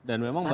dan memang pak